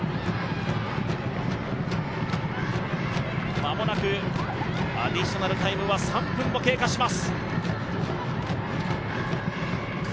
間もなくアディショナルタイムは３分を経過します。